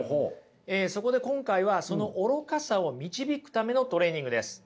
そこで今回はその愚かさを導くためのトレーニングです。